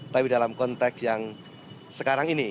tapi dalam konteks yang sekarang ini